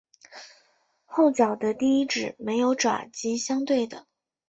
后脚的第一趾没有爪及相对的。